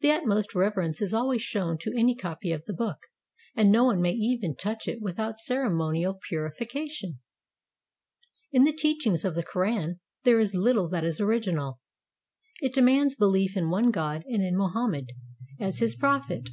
The utmost reverence is always shown to any copy of the book, and no one may even touch it without ceremonial purification. In the teachings of the Koran there is little that is original. It demands belief in one God and in Mohammed as his prophet.